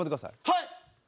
はい！